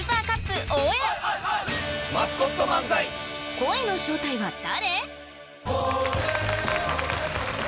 声の正体は誰？